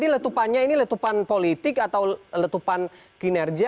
letupannya ini letupan politik atau letupan kinerja